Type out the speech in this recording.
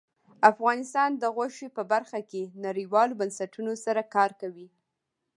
افغانستان د غوښې په برخه کې نړیوالو بنسټونو سره کار کوي.